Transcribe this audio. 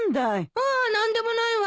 ああ何でもないわ。